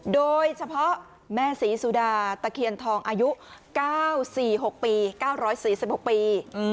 โดยเฉพาะแม่ศรีสุดาตะเคียนทองอายุ๙๔๖ปี๙๔๖ปี